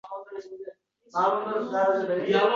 Seni ayollaring orasida nechanchisi edi u